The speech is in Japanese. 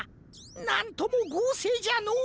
なんともごうせいじゃのう。